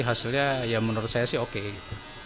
hasilnya ya menurut saya sih oke gitu